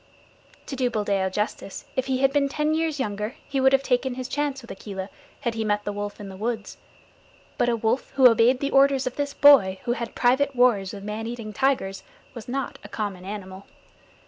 To do Buldeo justice, if he had been ten years younger he would have taken his chance with Akela had he met the wolf in the woods, but a wolf who obeyed the orders of this boy who had private wars with man eating tigers was not a common animal.